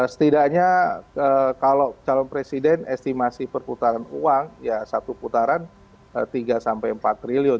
setidaknya kalau calon presiden estimasi perputaran uang ya satu putaran tiga sampai empat triliun